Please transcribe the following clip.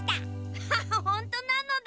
ハハハほんとなのだ！